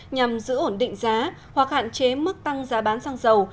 nhằm giữ ổn định giá hoặc hạn chế mức tăng giá bán xăng dầu